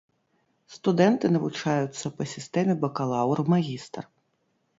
Студэнты навучаюцца па сістэме бакалаўр-магістр.